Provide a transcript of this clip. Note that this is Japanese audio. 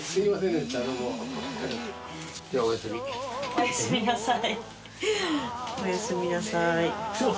おやすみなさい。